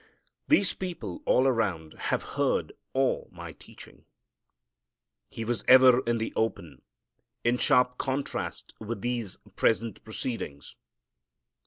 These people all around have heard all my teaching." He was ever in the open, in sharp contrast with these present proceedings.